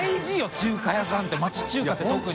中華屋さんって町中華って特に。